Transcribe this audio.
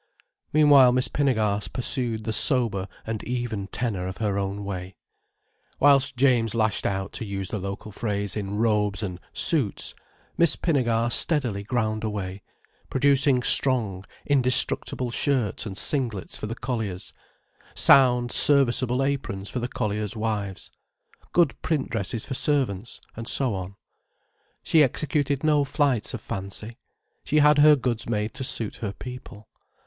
Meanwhile Miss Pinnegar pursued the sober and even tenor of her own way. Whilst James lashed out, to use the local phrase, in robes and "suits," Miss Pinnegar steadily ground away, producing strong, indestructible shirts and singlets for the colliers, sound, serviceable aprons for the colliers' wives, good print dresses for servants, and so on. She executed no flights of fancy. She had her goods made to suit her people.